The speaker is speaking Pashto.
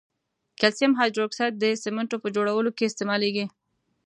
کلسیم هایدروکساید د سمنټو په جوړولو کې استعمالیږي.